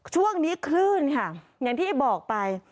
ช่วงนี้คลื่นค่ะอย่างที่บอกไป